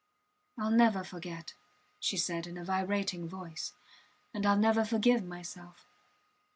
Ill never forget, she said in a vibrating voice. And Ill never forgive myself.